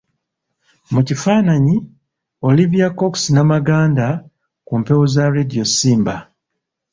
Mu kifaananyi, Olivia Cox Namaganda ku mpewo za Radio Simba.